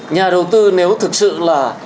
nhà đầu tư nếu thực sự là